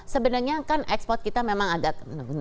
sebenarnya kan ekspor kita memang agak menurun